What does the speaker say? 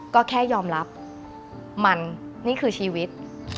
ก็แค่ยอมรับมันนี่คือชีวิต